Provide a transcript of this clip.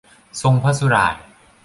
ทรงพระสุหร่าย